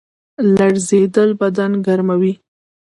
لړزیدل بدن ګرموي